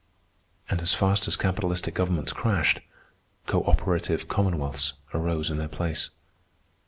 And as fast as capitalistic governments crashed, cooperative commonwealths arose in their place.